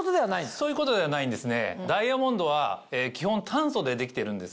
そういうことではないんですね。